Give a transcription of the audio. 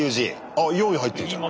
あっ４位入ってんじゃん。